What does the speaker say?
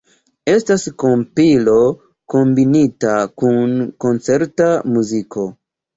Estas kompilo kombinita kun koncerta muziko.